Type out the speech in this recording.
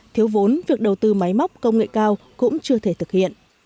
thiếu vốn việc đầu tư máy móc công nghệ cao cũng chưa thể thực hiện